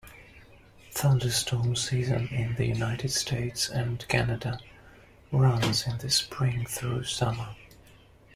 Thunderstorm season in the United States and Canada runs in the spring through summer.